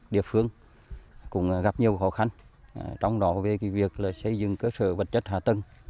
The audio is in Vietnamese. địa phương cũng gặp nhiều khó khăn trong đó về việc xây dựng cơ sở vật chất hạ tầng